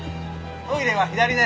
トイレは左ね。